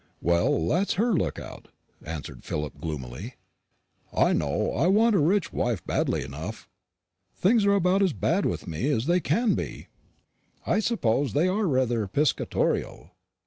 "Well, that's her look out," answered Philip gloomily; "I know I want a rich wife badly enough. Things are about as bad with me as they can be." "I suppose they are rather piscatorial.